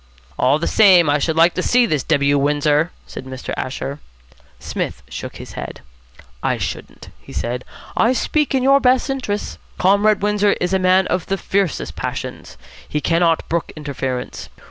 '" "All the same, I should like to see this W. Windsor," said Mr. Asher. Psmith shook his head. "I shouldn't," he said. "I speak in your best interests. Comrade Windsor is a man of the fiercest passions. He cannot brook interference.